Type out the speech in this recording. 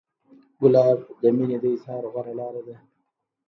ګلاب د مینې د اظهار غوره لاره ده.